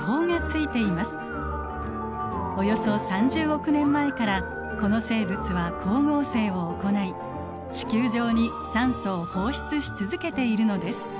およそ３０億年前からこの生物は光合成を行い地球上に酸素を放出し続けているのです。